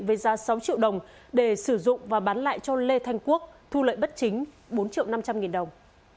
với giá sáu triệu đồng để sử dụng và bán lại cho lê thanh quốc thu lợi bất chính bốn triệu năm trăm linh nghìn đồng